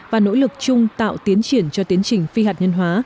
và nỗ lực chung tạo tiến triển cho tiến trình phi hạt nhân hóa